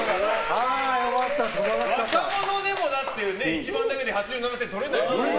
若者でも１番だけで８７点取れないよ。